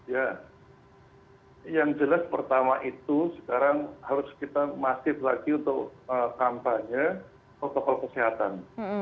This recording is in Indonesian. ya yang jelas pertama itu sekarang harus kita masif lagi untuk kampanye protokol kesehatan